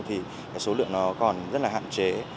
thì số lượng nó còn rất là hạn chế